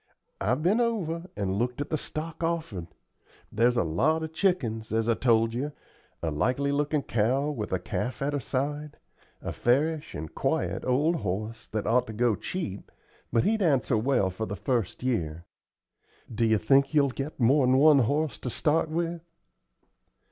I've been over and looked at the stock offered. There's a lot of chickens, as I told you; a likely looking cow with a calf at her side; a fairish and quiet old horse that ought to go cheap, but he'd answer well the first year. Do you think you'll get more'n one horse to start with?"